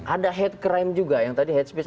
ada head crime juga yang tadi hate speech